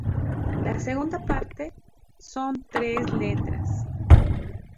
La segunda parte son tres letras.